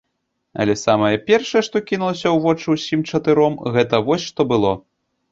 Але самае першае, што кінулася ў вочы ўсім чатыром, гэта вось што было.